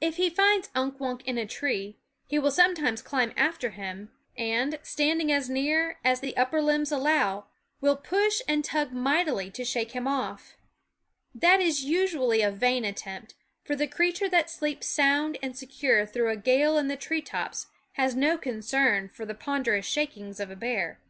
i/nkWunk 11 he rind Unk Wunk in a tree, he will sometimes climb after him and, standing as near as the upper limbs allow, will push and tug mightily to shake him off. That is usually a vain attempt ; for the creature that sleeps sound and secure through a gale in the tree tops has no concern for the ponder ous shakings of a bear.